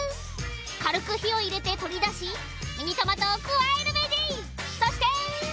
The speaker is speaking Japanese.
軽く火を入れて取り出しミニトマトを加えるベジ。